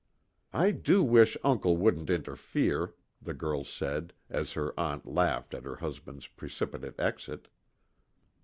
"I do wish uncle wouldn't interfere," the girl said, as her aunt laughed at her husband's precipitate exit.